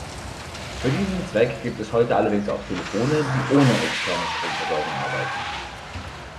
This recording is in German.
Für diesen Zweck gibt es heute allerdings auch Telefone, die ohne externe Stromversorgung arbeiten.